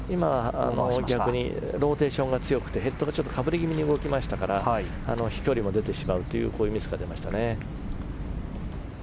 逆にローテーションが強くてヘッドがかぶり気味に動きましたから飛距離も出てしまうというミスが出てしまいましたね。